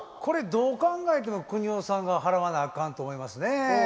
これどう考えてもくにおさんが払わなあかんと思いますね。